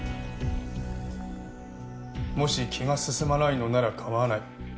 もし気が進まないのなら構わない。